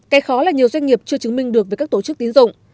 cây khó là nhiều doanh nghiệp chưa chứng minh được về các tổ chức tín dụng